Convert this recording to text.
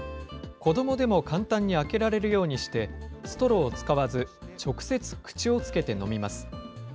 子どもでも簡単に開けられるようにして、ストローを使わず、直接、口をつけて飲みます。